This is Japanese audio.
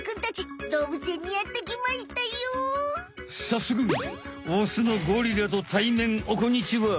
さっそくオスのゴリラと対面おこんにちは！